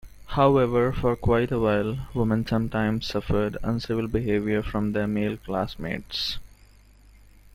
However, for quite a while, women sometimes suffered uncivil behavior from their male classmates.